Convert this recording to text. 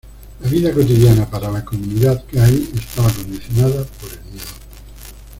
La vida cotidiana para la comunidad gay estaba condicionada por el miedo.